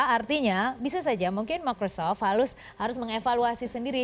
artinya bisa saja mungkin microsoft harus mengevaluasi sendiri